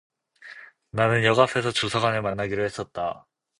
나는 역 앞에서 조사관을 만나기로 했었다.